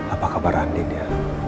apa kabar andi dia